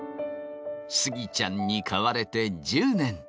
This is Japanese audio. スギちゃんに買われて１０年。